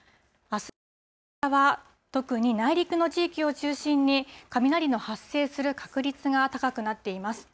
あすの夕方は特に内陸の地域を中心に、雷の発生する確率が高くなっています。